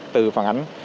từ phần ảnh